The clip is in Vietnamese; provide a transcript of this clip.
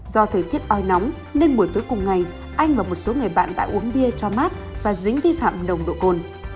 nếu ôi nóng nên buổi tối cùng ngày anh và một số người bạn đã uống bia cho mát và dính vi phạm nồng độ cồn